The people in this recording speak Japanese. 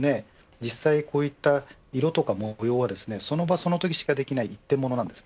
実際、こういった色とか模様はその場、そのときしかできない一点ものです。